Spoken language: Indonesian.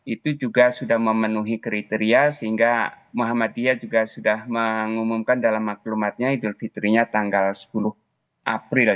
itu juga sudah memenuhi kriteria sehingga muhammadiyah juga sudah mengumumkan dalam maklumatnya idul fitrinya tanggal sepuluh april